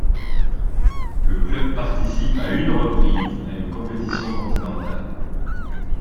Le club participe à une reprise à une compétition continentale.